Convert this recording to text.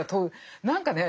何かね